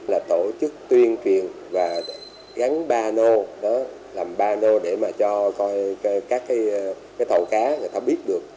là tổ chức tuyên truyền và gắn ba nô làm ba nô để cho các thầu cá biết được